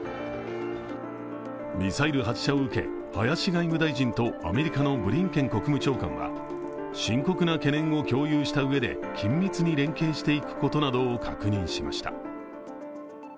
ミサイル発射を受け林外務大臣とアメリカのブリンケン国務長官は深刻な懸念を共有したうえで緊密に連携していくことなどを確認しました。